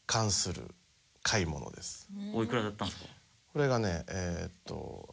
これがねえーっと。